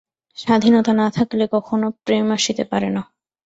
স্বাধীনতা না থাকিলে কখনও প্রেম আসিতে পারে না।